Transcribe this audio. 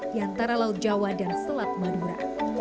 di antara laut jawa dan selat madura